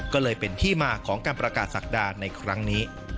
ก็เลยเป็นที่มาของการประกาศศักดาในครั้งนี้